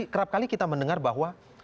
kerap kali kita mendengar bahwa